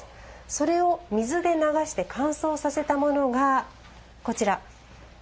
それを水で流して乾燥させたものが、こちら。